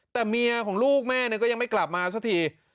แต่เมียของลูกแม่ก็ยังไม่กลับมาสักที